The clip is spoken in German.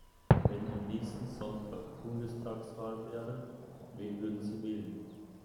Wenn am nächsten Sonntag Bundestagswahl wäre, wen würden Sie wählen?